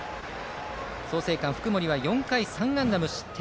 創成館の福盛は４回３安打無失点。